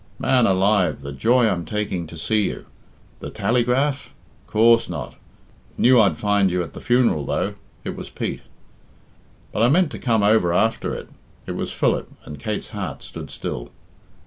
"Man alive, the joy I'm taking to see you! The tallygraph? Coorse not. Knew I'd find you at the funeral, though." It was Pete. "But I meant to come over after it." It was Philip, and Kate's heart stood still.